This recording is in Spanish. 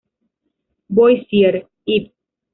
Boissier" iv.